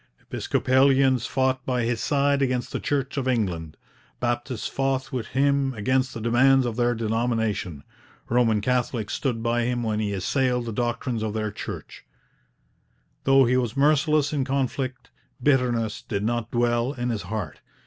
Episcopalians fought by his side against the Church of England; Baptists fought with him against the demands of their denomination; Roman Catholics stood by him when he assailed the doctrines of their Church. Though he was merciless in conflict, bitterness did not dwell in his heart.